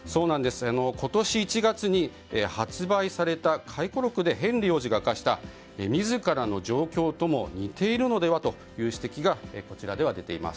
今年１月に発売された回顧録でヘンリー王子が明かした自らの状況とも似ているのではという指摘がこちらでは出ています。